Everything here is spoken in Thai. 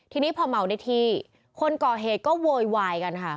ทีนี้พอเมาได้ที่คนก่อเหตุก็โวยวายกันค่ะ